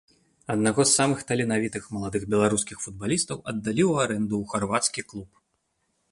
Аднаго з самых таленавітых маладых беларускіх футбалістаў аддалі ў арэнду ў харвацкі клуб.